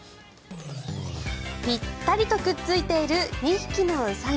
ピッタリとくっついている２匹のウサギ。